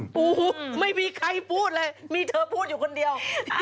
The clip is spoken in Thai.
ปูไม่มีใครพูดเลยมีเธอพูดอยู่คนเดียว